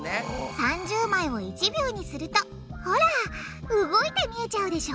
３０枚を１秒にするとほら動いて見えちゃうでしょ！